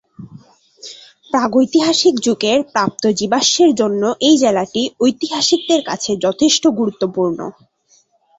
প্রাগৈতিহাসিক যুগের প্রাপ্ত জীবাশ্মের জন্য এই জেলাটি ঐতিহাসিকদের কাছে যথেষ্ট গুরুত্বপূর্ণ।